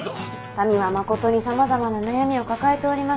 民はまことにさまざまな悩みを抱えております。